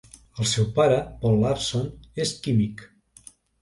El seu pare, Paul Larson, és químic.